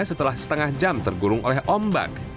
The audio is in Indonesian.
setelah setengah jam tergurung oleh ombak